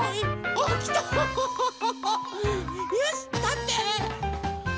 よしたって。